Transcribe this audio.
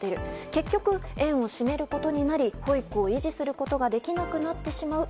結局、園を閉めることになり保育を維持することができなくなってしまう。